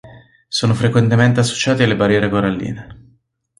Sono frequentemente associati alle barriere coralline.